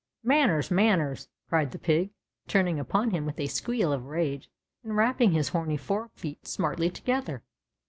Manners, manners!" cried the pig, turning upon him with a squeal of rage and ra]3ping his horny fore feet smartly together.